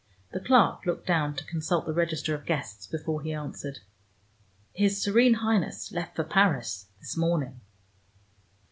The clerk looked down to consult the register of guests before he answered: "His Serene Highness left for Paris this morning."